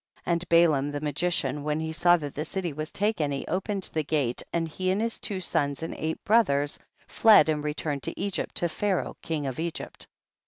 28. And Balaam the magician, when he saw that the city was taken, he opened the gate and he and his two sons and eight brothers fled and returned to Egypt to Pharaoh king of Egypt.